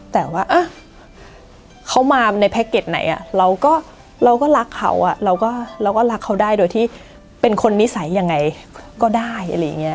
แต่ว่าเขามาในแพ็กเกจไหนเราก็รักเขาเราก็รักเขาได้โดยที่เป็นคนนิสัยยังไงก็ได้อะไรอย่างนี้